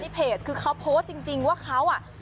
เพจคือเขาโพสต์จริงว่าเขาอ่ะ